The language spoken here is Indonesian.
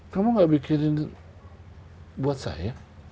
kamu gak bikin itu buat saya